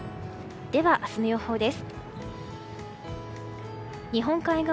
では明日の予報です。